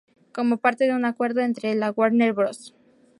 Como parte de un acuerdo entre la Warner Bros.